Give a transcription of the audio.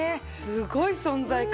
すごい存在感。